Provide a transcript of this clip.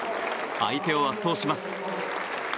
相手を圧倒します。